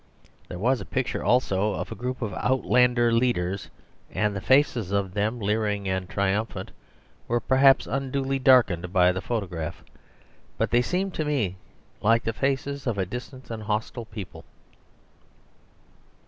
There was a picture also of a group of Outlander leaders, and the faces of them, leering and triumphant, were perhaps unduly darkened by the photograph, but they seemed to me like the faces of a distant and hostile people.